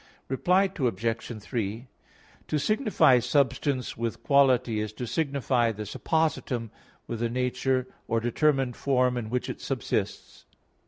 Reply Obj. 3: To signify substance with quality is to signify the suppositum with a nature or determined form in which it subsists.